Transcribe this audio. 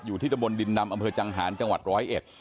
อยู่ที่ตะบนดินดำอำเภอจังหาญจังหวัด๑๐๑